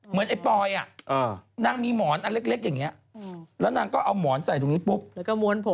เหมือนไอ่ปอยอ่ะนางมีหมอนอันเล็กอย่างเงี้ยแล้วนางก็เอาหมอนใส่ทุกแล้วก็ม้วนผม